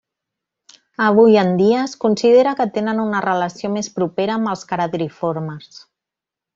Avui en dia es considera que tenen una relació més propera amb els caradriformes.